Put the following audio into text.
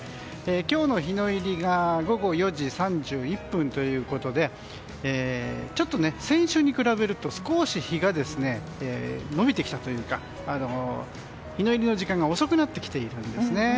今日の日の入りが午後４時３１分ということでちょっと先週に比べると少し日が伸びてきたというか日の入りの時間が遅くなってきているんですね。